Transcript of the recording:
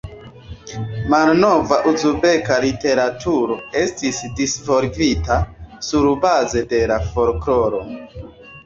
Malnova uzbeka literaturo estis disvolvita surbaze de la folkloro.